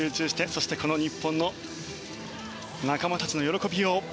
そして日本の仲間たちの喜びよう。